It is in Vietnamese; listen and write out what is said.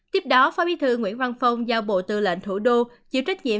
tiếp đó phó bí thư nguyễn văn phong giao bộ tư lệnh thủ đô chịu trách nhiệm